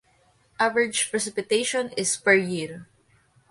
Average precipitation is per year.